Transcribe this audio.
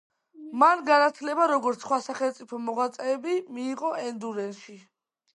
მან განათლება როგორც სხვა სახელმწიფო მოღვაწეები მიიღო ენდერუნში.